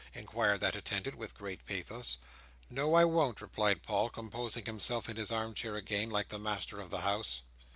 inquired that attendant, with great pathos. "No, I won't," replied Paul, composing himself in his arm chair again, like the master of the house.